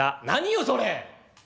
「何よそれ！？